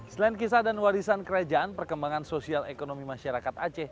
selain kisah dan warisan kerajaan perkembangan sosial ekonomi masyarakat aceh